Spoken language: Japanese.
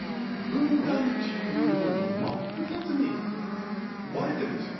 分断っていうよりも、もう真っ二つに割れてるんですよ。